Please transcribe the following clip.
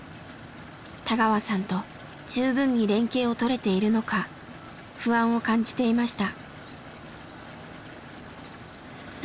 田川さんと十分に連携をとれているのか不安を感じていました。